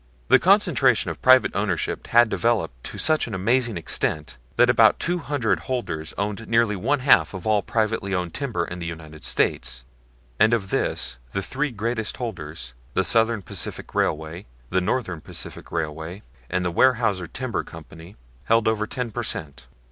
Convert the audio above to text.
The concentration of private ownership had developed to such an amazing extent that about two hundred holders owned nearly one half of all privately owned timber in the United States; and of this the three greatest holders, the Southern Pacific Railway, the Northern Pacific Railway, and the Weyerhaeuser Timber Company, held over ten per cent.